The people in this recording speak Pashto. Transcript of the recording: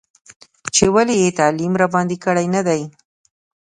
چې ولې یې تعلیم راباندې کړی نه دی.